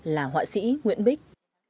là họa sĩ nguyễn bích